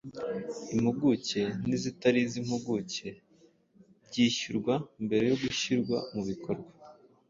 impuguke n’izitari iz’impuguke ryishyurwa mbere yo gushyirwa mu bikorwa